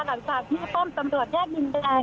หลังจากที่ป้อมตำรวจแยกดินแดง